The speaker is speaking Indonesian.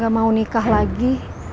gak mau nikah lagi